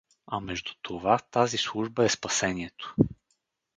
А между това тази служба е спасението.